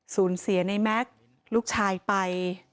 สูญเสียในแม็กซ์ลูกชายไป